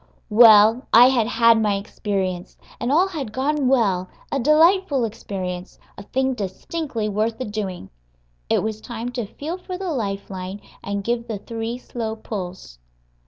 Well, I had had my experience, and all had gone well a delightful experience, a thing distinctly worth the doing. It was time to feel for the life line and give the three slow pulls.